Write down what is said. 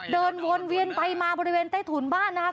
เดินวนเวียนไปมาบริเวณใต้ถุนบ้านนะคะ